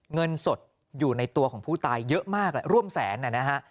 เงินสดอยู่ในตัวของผู้ตายเยอะมากร่วมแสนนะฮะ